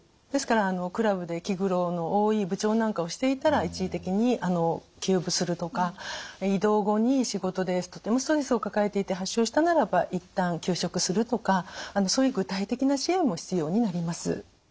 ですからクラブで気苦労の多い部長なんかをしていたら一時的に休部するとか異動後に仕事でとてもストレスを抱えていて発症したならば一旦休職するとかそういう具体的な支援も必要になります。